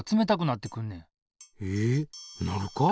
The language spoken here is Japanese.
えなるか？